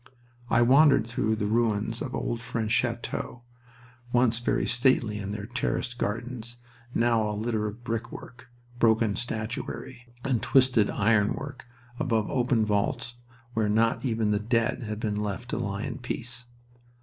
I wandered through the ruins of old French chateaux, once very stately in their terraced gardens, now a litter of brickwork, broken statuary, and twisted iron work above open vaults where not even the dead had been left to lie in peace.